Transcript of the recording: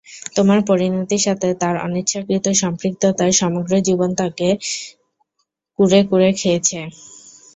তোমার পরিণতির সাথে তার অনিচ্ছাকৃত সম্পৃক্ততা সমগ্র জীবন তাকে কুঁড়ে কুঁড়ে খেয়েছে।